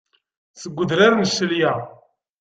Seg udrar n ccelya.